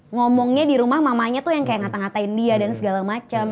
ngomongnya di rumah mamanya tuh yang kayak ngata ngatain dia dan segala macam